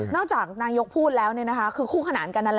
จากนายกพูดแล้วคือคู่ขนานกันนั่นแหละ